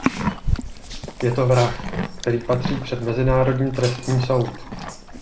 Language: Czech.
Je to vrah, který patří před mezinárodní trestní soud.